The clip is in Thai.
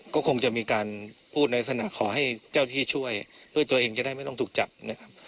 ก็คงจะมีการพูดในขณะขอให้เจ้าที่ช่วยด้วยตัวเองจะได้ไม่ต้องถูกจับนะครับ